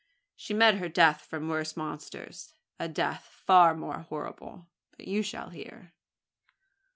She met her death from worse monsters a death far more horrible; but you shall hear."